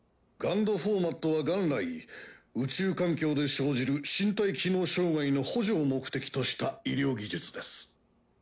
ＧＵＮＤフォーマットは元来宇宙環境で生じる身体機能障害の補助を目的とした医療技術です。